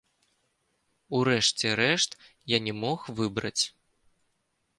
У рэшце рэшт, я не мог выбраць.